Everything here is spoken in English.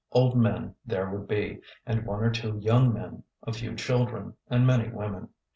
Old men there would be, and one or two young men, a few children, and many women.